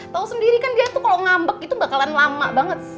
tau sendiri kan dia tuh kalau ngambek itu bakalan lama banget